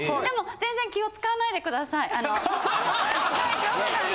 全然気を使わないでください。